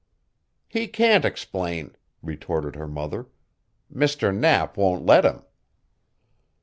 "He can't explain," retorted her mother. "Mr. Knapp won't let him."